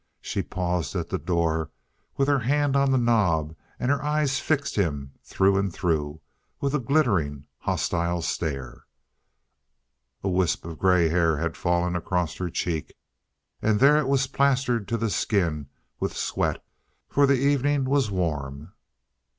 She paused at the door with her hand on the knob, and her eyes fixed him through and through with a glittering, hostile stare. A wisp of gray hair had fallen across her cheek, and there it was plastered to the skin with sweat, for the evening was, warm.